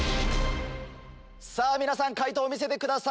皆さん解答を見せてください。